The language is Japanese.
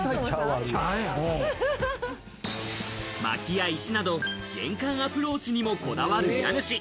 薪や石など、玄関アプローチにもこだわる家主。